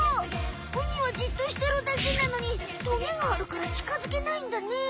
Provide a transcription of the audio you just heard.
ウニはじっとしてるだけなのにトゲがあるから近づけないんだね。